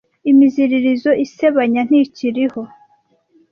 Imiziririzo isebanya ntikiriho.